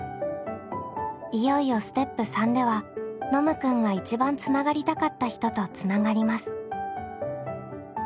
いよいよステップ３ではノムくんが一番つながりたかった人とつながります。